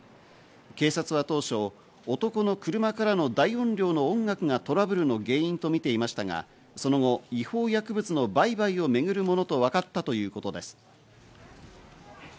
警察は当初、男の車からの大音量の音楽がトラブルの原因と見ていましたが、その後、違法薬物の売買によるものと分かったということです。